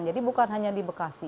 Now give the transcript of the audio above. jadi bukan hanya di bekasi